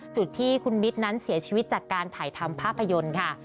จุดที่คุณมิตรนั้นเสียชีวิตจากการถ่ายทำภาพยนตร์ค่ะ